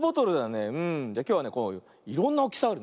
きょうはねこういろんなおおきさあるね。